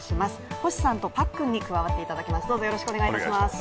星さんとパックンに加わっていただきます。